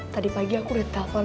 tadi pagi aku udah telpon